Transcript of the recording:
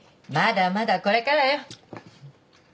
まだまだこれからよ。